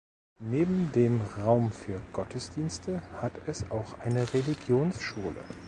Neben dem Raum für Gottesdienste hat es auch eine Religionsschule.